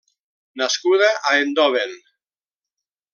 Nascuda a Eindhoven.